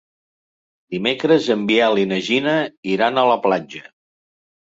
Dimecres en Biel i na Gina iran a la platja.